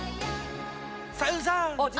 さゆりさん！